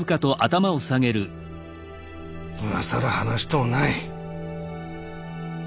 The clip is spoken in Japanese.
今更話しとうない。